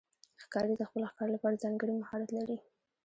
ښکاري د خپل ښکار لپاره ځانګړی مهارت لري.